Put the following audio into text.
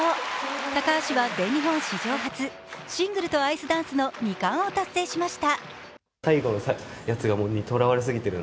高橋は全日本史上初、シングルとアイスダンスの２冠を達成しました。